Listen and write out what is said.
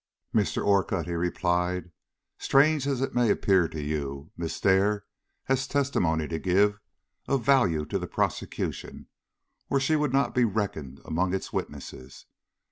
"Mr. Orcutt," he replied, "strange as it may appear to you, Miss Dare has testimony to give of value to the prosecution, or she would not be reckoned among its witnesses.